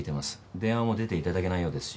電話も出ていただけないようですし。